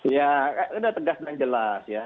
ya sudah tegas dan jelas ya